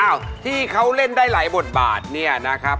ที่เขาเล่นได้หลายบทบาทเนี่ยนะครับ